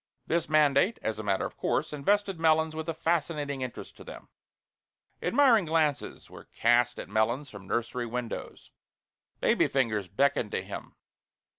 This mandate, as a matter of course, invested Melons with a fascinating interest to them. Admiring glances were cast at Melons from nursery windows. Baby fingers beckoned to him.